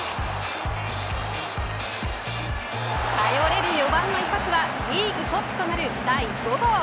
頼れる４番の一発はリーグトップとなる第５号。